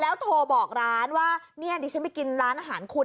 แล้วโทรบอกร้านว่าเนี่ยดิฉันไปกินร้านอาหารคุณ